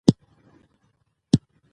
د خلکو غوښتنې د بدلون نښه ده